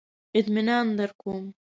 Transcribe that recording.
اطمینان درکوم.